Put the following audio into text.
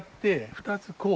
２つこう。